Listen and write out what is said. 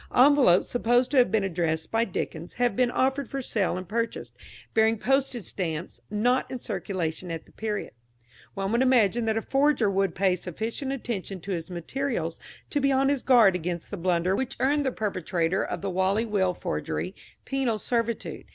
Envelopes supposed to have been addressed by Dickens have been offered for sale and purchased, bearing postage stamps not in circulation at the period. One would imagine that a forger would pay sufficient attention to his materials to be on his guard against the blunder which earned the perpetrator of the Whalley Will Forgery penal servitude.